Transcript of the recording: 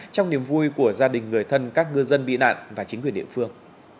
trong niềm vui của gia đình người thân các ngư dân bị nạn và chính quyền địa phương